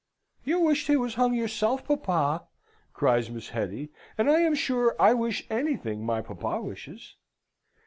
"You wished he was hung yourself, papa!" cries Miss Hetty, "and I am sure I wish anything my papa wishes."